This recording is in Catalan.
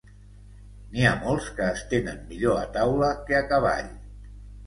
N'hi ha molts que es tenen millor a taula que a cavall.